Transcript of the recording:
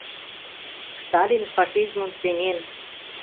— Сталин фашизмым сеҥен.